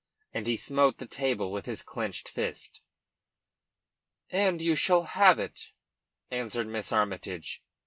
And he smote the table with his clenched fist. "And you shall have it," answered Miss Armytage.